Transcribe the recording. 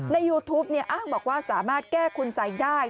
ยูทูปอ้างบอกว่าสามารถแก้คุณสัยได้